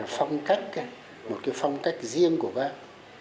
phong cách một cái phong cách riêng của bác